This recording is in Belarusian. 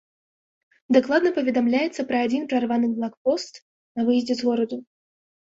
Дакладна паведамляецца пра адзін прарваны блокпост на выездзе з гораду.